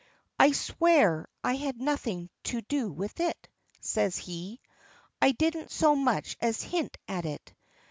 "I swear I had nothing to do with it," says he, "I didn't so much as hint at it.